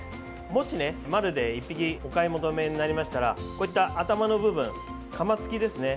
もし、丸で１匹お買い求めになりましたら頭の部分、カマつきですね。